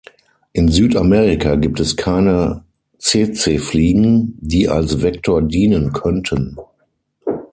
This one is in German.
In Südamerika gibt es keine Tsetsefliegen, die als Vektor dienen könnten.